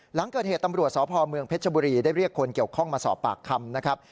หลังเกิดเหตุตำรวจสพเมืองเพชรบุรีได้เรียกคนเกี่ยวข้องมาสอบปากคำนะครับ